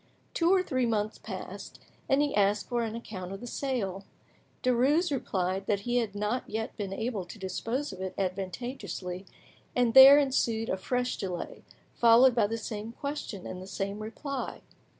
Two or three months passed, and he asked for an account of the sale. Derues replied that he had not yet been able to dispose of it advantageously, and there ensued a fresh delay, followed by the same question and the same reply.